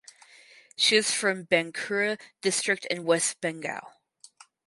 She is from Bankura district in West Bengal.